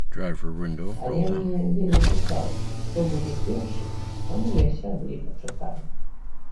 Але мне вельмі цікава, хто будзе першы, таму я сяду і пачакаю.